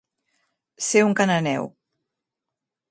Ser un cananeu.